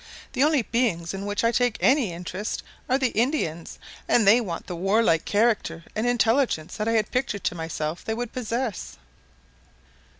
The only beings in which I take any interest are the Indians, and they want the warlike character and intelligence that I had pictured to myself they would posses."